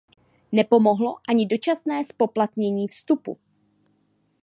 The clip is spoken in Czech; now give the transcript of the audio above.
Nepomohlo ani dočasné zpoplatnění vstupu.